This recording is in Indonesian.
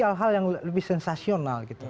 hal hal yang lebih sensasional gitu